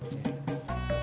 terima kasih pak